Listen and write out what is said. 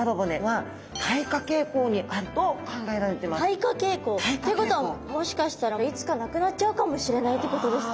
退化傾向。ってことはもしかしたらいつかなくなっちゃうかもしれないってことですか？